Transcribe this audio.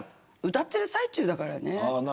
歌ってる最中だからね。